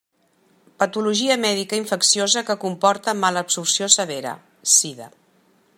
Patologia mèdica infecciosa que comporta malabsorció severa: sida.